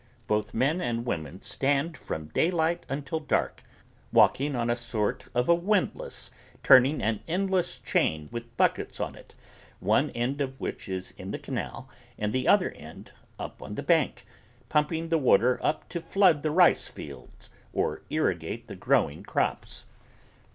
Both men and women stand from daylight until dark walking on a sort of a windlass turning an endless chain with buckets on it, one end of which is in the canal and the other end up on the bank, pumping the water up to flood the rice fields or irrigate the growing crops.